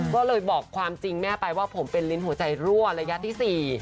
ก็เลยบอกความจริงแม่ไปว่าผมเป็นลิ้นหัวใจรั่วระยะที่๔